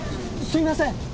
すいません